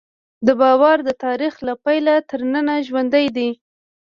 دا باور د تاریخ له پیله تر ننه ژوندی دی.